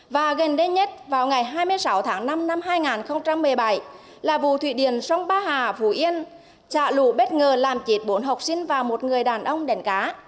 và gần đây nhất vào ngày hai mươi sáu tháng năm năm hai nghìn một mươi bảy là vụ thụy điển sông ba hà phú yên trả lũ bất ngờ làm chết bốn học sinh và một người đàn ông đèn cá